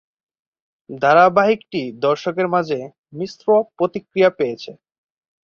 ধারাবাহিকটি দর্শকের মাঝে মিশ্র প্রতিক্রিয়া পেয়েছে।